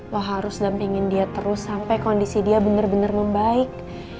lo harus dampingin dia terus sampai kondisi dia benar benar membaik